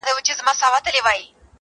موږ ګناه کار یو چي مو ستا منله,